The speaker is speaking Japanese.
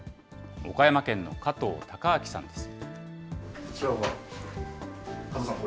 岡山県の加藤高明さんです。